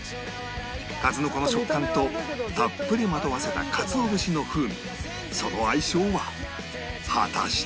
数の子の食感とたっぷりまとわせた鰹節の風味その相性は果たして？